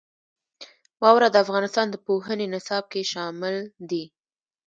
واوره د افغانستان د پوهنې نصاب کې شامل دي.